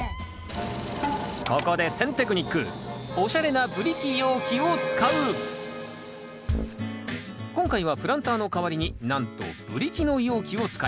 ここで選テクニック今回はプランターの代わりになんとブリキの容器を使います。